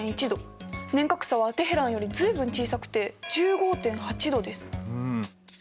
年較差はテヘランより随分小さくて１５．８度です。